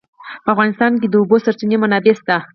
په افغانستان کې د د اوبو سرچینې منابع شته.